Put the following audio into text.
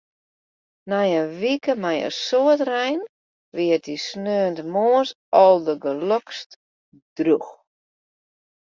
Nei in wike mei in soad rein wie it dy sneontemoarns aldergelokst drûch.